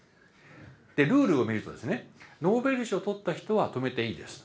でルールを見るとですねノーベル賞取った人は止めていいですと。